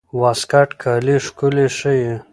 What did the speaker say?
واسکټ کالي ښکلي ښيي.